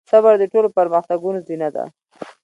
صبر د ټولو پرمختګونو زينه ده.